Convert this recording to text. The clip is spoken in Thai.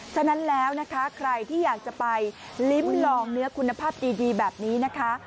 ฉะนั้นแล้วนะคะใครที่อยากจะไปลิ้มลองเนื้อคุณภาพดีแบบนี้นะคะ